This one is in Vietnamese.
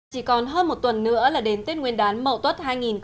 chỉ còn hơn một tuần nữa là đến tết nguyên đán mậu tuất hai nghìn một mươi tám